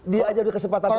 dia aja udah kesempatan